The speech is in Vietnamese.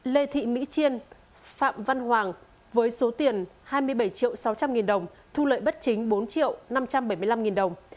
lê thị mỹ chiên phạm văn hoàng với số tiền hai mươi bảy triệu sáu trăm linh nghìn đồng thu lợi bất chính bốn triệu năm trăm bảy mươi năm nghìn đồng